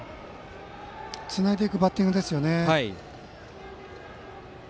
つないでいくバッティングですよね。